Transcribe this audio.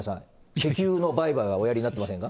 石油の売買はおやりになっていませんか？